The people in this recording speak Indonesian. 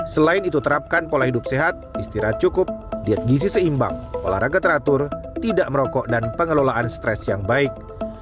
selain itu terapkan pola hidup sehat istirahat cukup diet gizi seimbang olahraga teratur tidak merokok dan pengelolaan stres yang baik